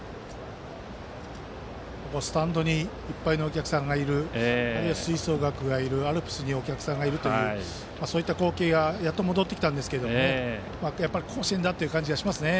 スタンドにいっぱいのお客さんがいるあるいは吹奏楽がいるアルプスにお客さんがいるというそういった光景がやっと戻ってきたんですけどやっぱり甲子園だという感じがしますね。